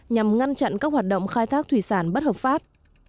nhằm ngăn chặn các hoạt động khai thác thủy sản bất hợp pháp